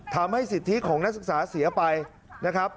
ทำให้สิทธิของนักศึกษาเสียไปนะครับ